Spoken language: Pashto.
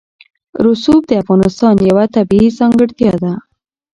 رسوب د افغانستان یوه طبیعي ځانګړتیا ده.